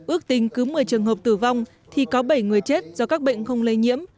ước tính cứ một mươi trường hợp tử vong thì có bảy người chết do các bệnh không lây nhiễm